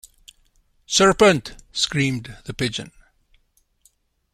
‘Serpent!’ screamed the Pigeon.